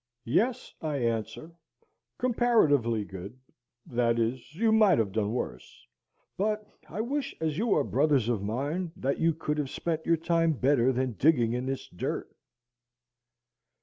Yes, I answer, comparatively good, that is, you might have done worse; but I wish, as you are brothers of mine, that you could have spent your time better than digging in this dirt.